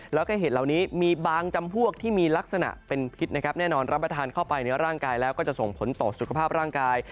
แล้วก็เห็ดเหล่านี้มีบางจำพวกที่มีลักษณะเป็นพิษนะครับแน่นอนรับประทานเข้าไปในร่างกายแล้วก็จะส่งผลต่อสุขภาพร่างกาย